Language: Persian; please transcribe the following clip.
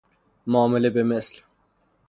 معامله به مثل